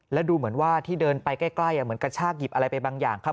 แล้วดูเหมือนว่าที่เดินไปใกล้เหมือนกระชากหยิบอะไรไปบางอย่างครับ